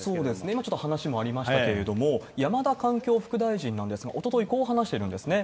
今、ちょっと話にもありましたけど、山田環境副大臣なんですが、おととい、こう話してるんですね。